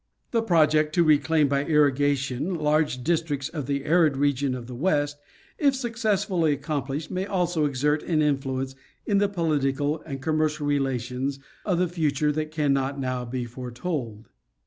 The project to reclaim by irrigation large districts of the arid region of the west, if successfully accomplished, may also exert an influence in the political and commercial relations of the future that cannot now be foretold.